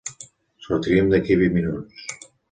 Sortirem d'aquí a vint minuts.